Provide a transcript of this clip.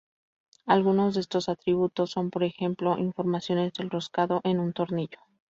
Algunos de estos atributos son por ejemplo informaciones del roscado en un tornillo.